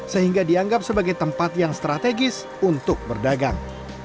sehingga dianggap sebagai tempat yang strategis untuk berdagang